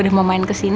udah mau main kesini